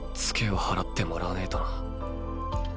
ツケを払ってもらわねぇとな。